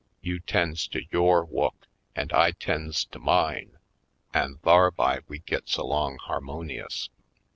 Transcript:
You 'tends to yore "wu'k an' I 'tends to mine an' tharby we gits along harmonious.